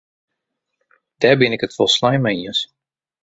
Dêr bin ik it folslein mei iens.